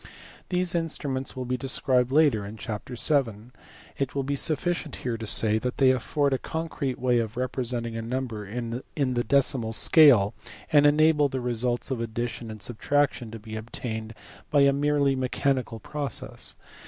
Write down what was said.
These instruments will be described later in chapter vn. ; it will be sufficient here to say that they afford a concrete way of representing a number in the decimal scale, and enable the results of addition and subtraction to be obtained by a merely mechanical process.